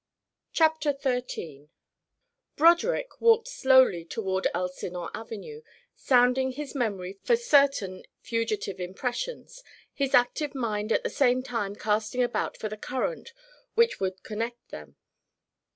CHAPTER XIII Broderick walked slowly toward Elsinore Avenue, sounding his memory for certain fugitive impressions, his active mind at the same time casting about for the current which would connect them.